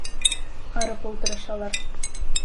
Арып ултырышалар.